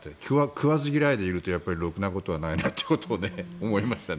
食わず嫌いでいるとやっぱりろくなことはないなってことを思いましたね。